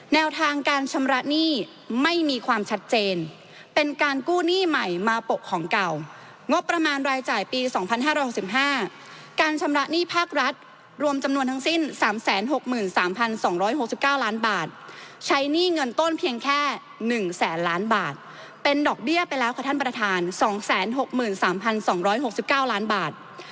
แนวทางการชำระหนี้ไม่มีความชัดเจนเป็นการกู้หนี้ใหม่มาปกของเก่างบประมาณรายจ่ายปี๒๕๖๕การชำระหนี้ภาครัฐรวมจำนวนทั้งสิ้น๓๖๓๒๖๙ล้านบาทใช้หนี้เงินต้นเพียงแค่๑แสนล้านบาทเป็นดอกเบี้ยไปแล้วค่ะท่านประธาน๒๖๓๒๖๙ล้านบาท